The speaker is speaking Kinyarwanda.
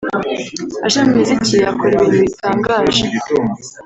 aje mu muziki yakora ibintu bitangaje